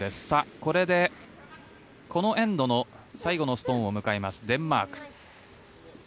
さあ、これでこのエンドの最後のストーンを迎えますデンマーク。